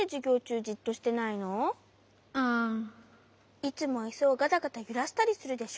いつもイスをガタガタゆらしたりするでしょ？